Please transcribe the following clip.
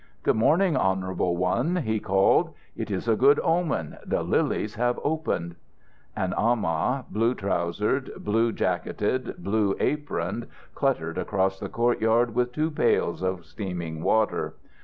"Good morning, Honourable One," he called. "It is a good omen. The lilies have opened." An amah, blue trousered, blue jacketed, blue aproned, cluttered across the courtyard with two pails of steaming water.